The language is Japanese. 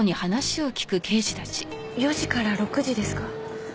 ４時から６時ですか？